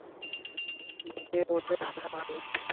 বাদ দিন ওদের কথা, ভাই।